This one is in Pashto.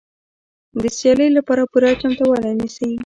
د سیالۍ لپاره پوره چمتووالی نیسي.